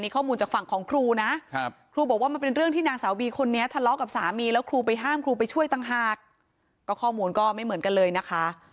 ข้อมูลก็ไม่เหมือนกันเลยนะคะ